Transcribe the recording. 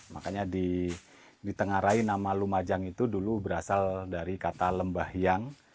makanya ditengarai nama lumajang itu dulu berasal dari kata lembahyang